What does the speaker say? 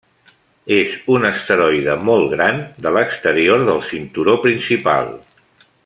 És un asteroide molt gran de l'exterior del cinturó principal.